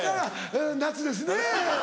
「夏ですね」。